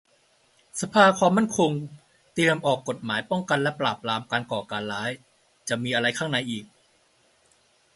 สภาความมั่นคงเตรียมออกกฎหมายป้องกันและปราบปรามการก่อการร้าย - จะมีอะไรข้างในอีก